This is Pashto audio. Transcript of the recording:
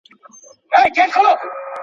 د خاوند او ميرمني تر منځ د صميميت اړيکي دي.